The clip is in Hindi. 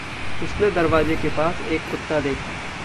उसने दरवाज़े के पास एक कुत्ता देखा।